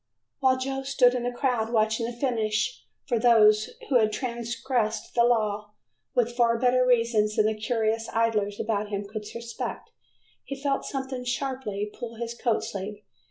While Joe stood in the crowd watching the finish of those who had transgressed the law, with far better reasons than the curious idlers about him could suspect, he felt someone sharply pull his coat sleeve.